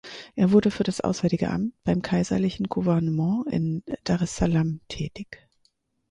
Er wurde für das Auswärtige Amt beim kaiserlichen Gouvernement in Daressalam tätig.